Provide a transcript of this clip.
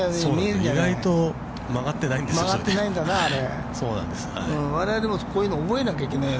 ◆意外と曲がってないんですよ。